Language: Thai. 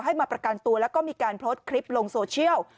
มาประกันตัวแล้วก็มีการโพสต์คลิปลงโซเชียล